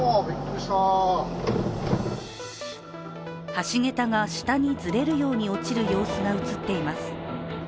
橋桁が下にずれるように落ちる様子が映っています。